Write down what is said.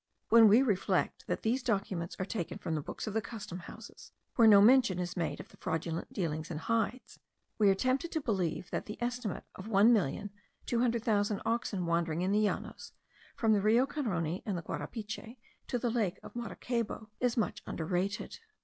When we reflect, that these documents are taken from the books of the custom houses, where no mention is made of the fraudulent dealings in hides, we are tempted to believe that the estimate of 1,200,000 oxen wandering in the Llanos, from the Rio Carony and the Guarapiche to the lake of Maracaybo, is much underrated.